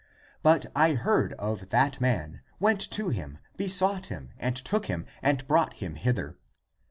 But I heard of that man, went to him, besought him and took him and brought him hither.